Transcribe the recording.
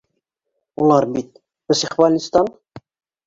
Улар бит... психбалнистан!